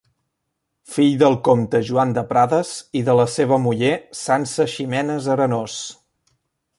Fill del comte Joan de Prades i de la seva muller Sança Ximenes Arenós.